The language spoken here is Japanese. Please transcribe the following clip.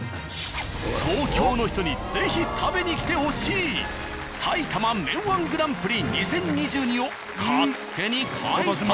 東京の人に是非食べに来てほしい埼玉麺−１グランプリ２０２２を勝手に開催！